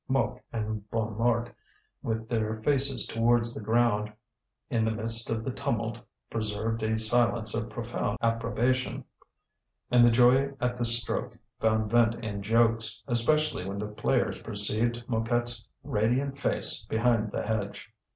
Mouque and Bonnemort, with their faces towards the ground, in the midst of the tumult preserved a silence of profound approbation. And the joy at this stroke found vent in jokes, especially when the players perceived Mouquette's radiant face behind the hedge.